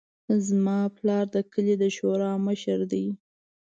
زما پلار د کلي د شورا مشر ده